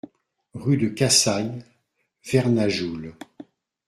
Rue de Cassagne, Vernajoul